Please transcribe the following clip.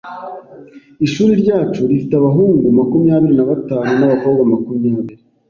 Ishuri ryacu rifite abahungu makumyabiri na batanu nabakobwa makumyabiri.